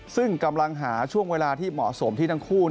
ซึ่งกำลังหาช่วงเวลาที่เหมาะสมที่ทั้งคู่